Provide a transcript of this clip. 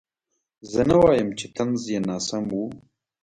زه نه وایم چې طنز یې ناسم و.